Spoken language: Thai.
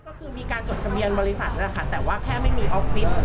ก็คือมีการจดทะเบียนบริษัทนะคะแต่ว่าแค่ไม่มีออฟฟิศ